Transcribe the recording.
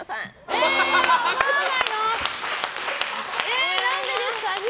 えー、何でですか？